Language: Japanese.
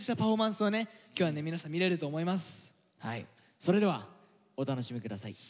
それではお楽しみ下さい。